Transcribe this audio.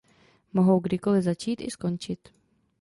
Mohou kdykoli začít i skončit.